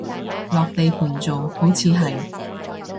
落地盤做，好似係